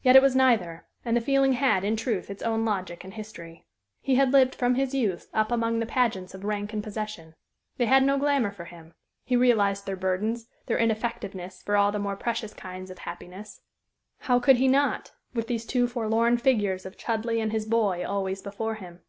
Yet it was neither; and the feeling had, in truth, its own logic and history. He had lived from his youth up among the pageants of rank and possession. They had no glamour for him; he realized their burdens, their ineffectiveness for all the more precious kinds of happiness how could he not, with these two forlorn figures of Chudleigh and his boy always before him?